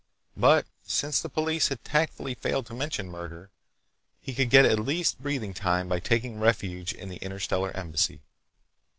But since the police had tactfully failed to mention murder, he could get at least breathing time by taking refuge in the Interstellar Embassy.